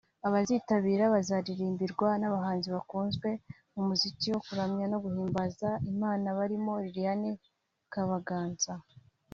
Abazitabira bazaririmbirwa n’abahanzi bakunzwe mu muziki wo kuramya no guhimbaza Imana barimo Liliane Kabaganza